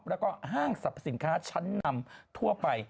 แล้วก็ห้างสรรพสินค้าชั้นนำทั่วไป